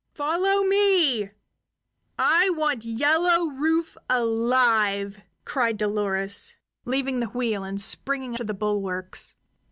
"Follow me; I want Yellow Rufe alive!" cried Dolores, leaving the wheel and springing to the bulwarks.